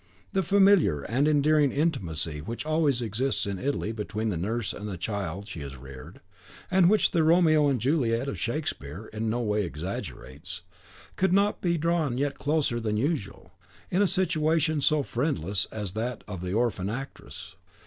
The familiar and endearing intimacy which always exists in Italy between the nurse and the child she has reared, and which the "Romeo and Juliet" of Shakespeare in no way exaggerates, could not but be drawn yet closer than usual, in a situation so friendless as that of the orphan actress.